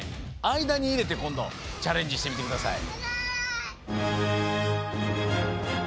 あいだにいれてこんどチャレンジしてみてください。